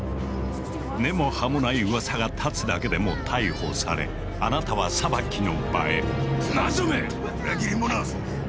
根も葉もないうわさが立つだけでも逮捕されあなたは裁きの場へ。